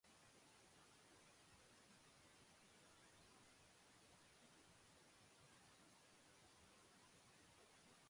Inputatua etxean aurkitu zuten eta emakumeak eraso fisikoen zantzuak zituen.